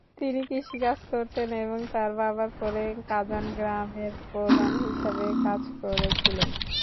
তিনি কৃষিকাজ করতেন এবং তার বাবার পরে কাজান গ্রামের প্রধান হিসাবে কাজ করেছিলেন।